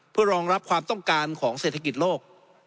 เพื่อรองรับความต้องการของเศรษฐกิจโลก